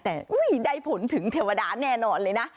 แต่ได้ผลถึงเทวดาแน่นอนเลยนะ